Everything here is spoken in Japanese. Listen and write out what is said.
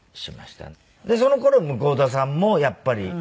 その頃向田さんもやっぱり。